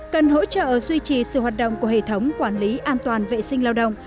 cần hỗ trợ duy trì sự hoạt động của hệ thống quản lý an toàn vệ sinh lao động